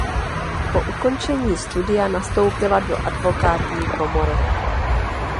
Po ukončení studia nastoupila do advokátní komory.